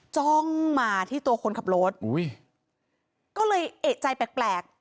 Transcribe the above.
จ้องมาที่ตัวคนขับรถอุ้ยก็เลยเอกใจแปลกแปลก